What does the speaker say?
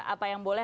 apa yang boleh